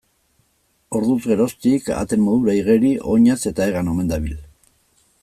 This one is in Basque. Orduz geroztik, ahateen modura igeri, oinez eta hegan omen dabil.